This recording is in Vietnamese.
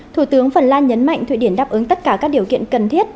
thủ tướng phần lan nhấn mạnh thụy điển đáp ứng tất cả các điều kiện cần thiết